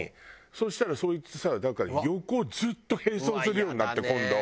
そしたらそいつさ横をずっと並走するようになって今度。